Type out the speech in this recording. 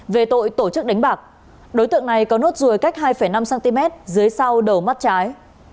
về tội tổ chức đánh bạc đối tượng này có nốt ruồi cách hai năm cm dưới sau đầu mắt trái